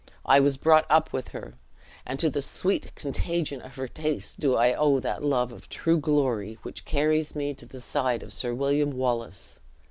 I was brought up with her, and to the sweet contagion of her taste do I owe that love of true glory which carries me to the side of Sir William Wallace.